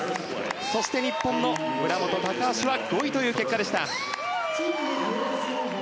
そして日本の村元、高橋は５位という結果でした。